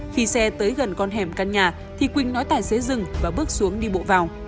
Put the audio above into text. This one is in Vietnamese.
khi xe tới gần con hẻm căn nhà thì quỳnh nói tài xế dừng và bước xuống đi bộ vào